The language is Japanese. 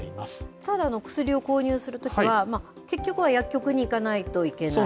ただ、薬を購入するときは、結局は薬局に行かないといけない。